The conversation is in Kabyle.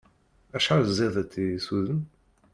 Acḥal ẓid-it i usuden!